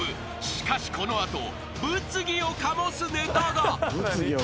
［しかしこの後物議を醸すネタが］